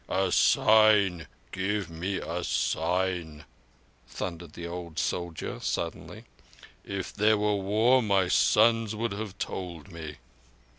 "A sign. Give me a sign," thundered the old soldier suddenly. "If there were war my sons would have told me."